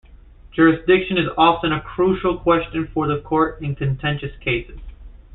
Jurisdiction is often a crucial question for the Court in contentious cases.